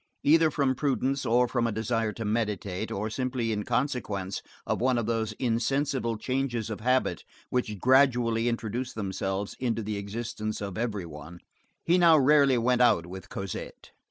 Either from prudence, or from a desire to meditate, or simply in consequence of one of those insensible changes of habit which gradually introduce themselves into the existence of every one, he now rarely went out with Cosette.